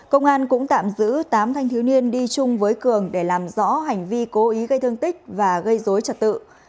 công an cũng tạm giữ tám thanh thiếu niên đi chung với cường để làm rõ hành vi cố ý gây thương tích và gây dối trật tự